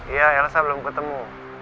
iya elsa belum ketemu